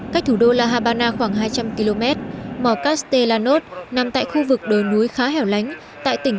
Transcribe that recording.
cách thủ đô la habana khoảng hai trăm linh km mỏ castellanos nằm tại khu vực đồi núi khá hẻo lánh tại tỉnh